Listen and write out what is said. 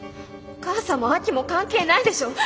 お母さんも亜紀も関係ないでしょ！